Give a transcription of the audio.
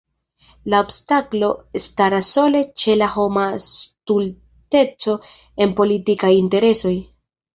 La obstaklo staras sole ĉe la homa stulteco en politikaj interesoj.